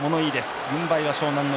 軍配は湘南乃